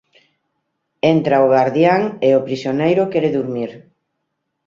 Entra o gardián e o prisioneiro quere durmir.